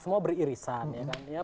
semua beririsan ya kan